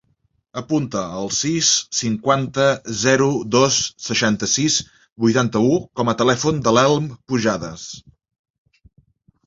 Apunta el sis, cinquanta, zero, dos, seixanta-sis, vuitanta-u com a telèfon de l'Elm Pujadas.